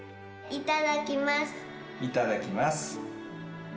いただきます。